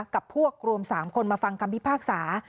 กับพวกรวม๓คนมาฟังคำพิพากษา